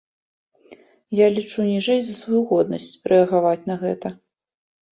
Я лічу ніжэй за сваю годнасць рэагаваць на гэта.